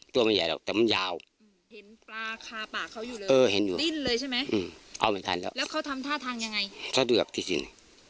จะเดือกที่สิน